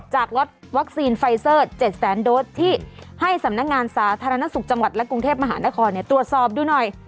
จากวัคซีนไฟซอร์ท๗๐๐๐๐๐โดดที่ให้สำนักงานสาธารณสุขจังหวัดและกรุงเทพมหาหน้าคอตรวจสอบด้วยหน่อย